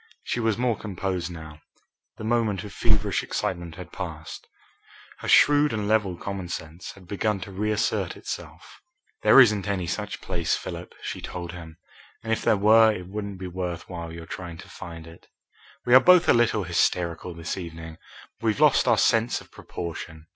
She was more composed now. The moment of feverish excitement had passed. Her shrewd and level common sense had begun to reassert itself. "There isn't any such place, Philip," she told him, "and if there were it wouldn't be worth while your trying to find it. We are both a little hysterical this evening. We've lost our sense of proportion.